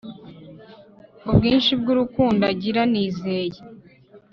ubwinshi bw'urukundo agira, nizeye